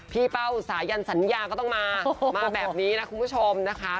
เป้าสายันสัญญาก็ต้องมามาแบบนี้นะคุณผู้ชมนะคะ